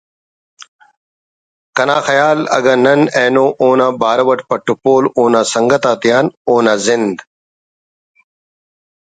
کنا خیال اگہ نن اینو اونا بارو اٹ پٹ پول اونا سنگت آتیان اونا زند